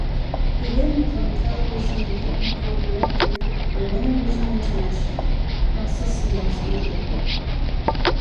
He then became Television and Technical Director for Venevision International (now Cisneros Media).